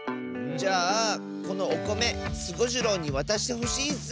じゃあこのおこめスゴジロウにわたしてほしいッス！